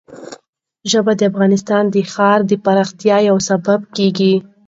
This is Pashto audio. ژبې د افغانستان د ښاري پراختیا یو سبب کېږي.